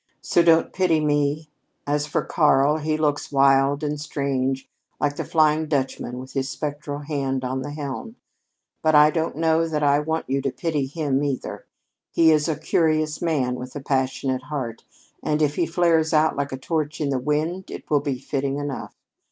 So don't pity me. As for Karl he looks wild and strange, like the Flying Dutchman with his spectral hand on the helm. But I don't know that I want you to pity him either. He is a curious man, with a passionate soul, and if he flares out like a torch in the wind, it will be fitting enough.